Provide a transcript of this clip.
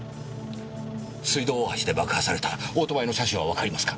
水道大橋で爆破されたオートバイの車種はわかりますか？